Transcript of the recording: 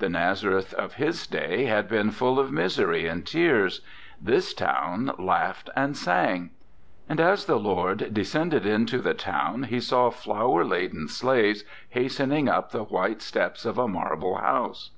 The Naz areth of his day had been full of misery and tears; this town laughed and sang. And as the Lord descended into the town he saw flower laden slaves hastening up the white steps of a marble house.